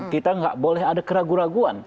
kita nggak boleh ada keraguan keraguan